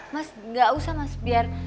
mas gak usah mas biar